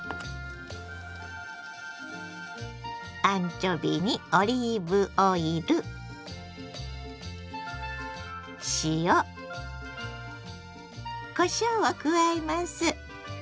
アンチョビにオリーブオイル塩こしょうを加えます。